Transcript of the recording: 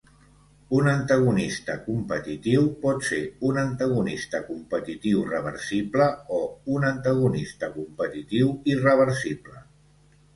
Un antagonista competitiu pot ser un antagonista competitiu reversible o un antagonista competitiu irreversible.